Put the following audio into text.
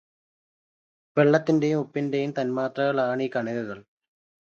വെള്ളത്തിന്റെയും ഉപ്പിന്റെയും തൻമാത്രകൾ ആണ് ഈ കണികകൾ.